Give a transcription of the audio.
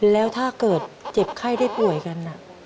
แล้วถ้าเกิดเจ็บไข้ได้ป่วยกัน